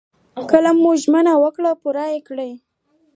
کله مو ژمنه وکړه پوره يې کړئ.